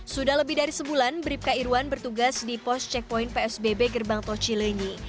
sudah lebih dari sebulan bribka irwan bertugas di pos cekpoin psbb gerbang tochi leni